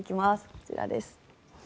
こちらです。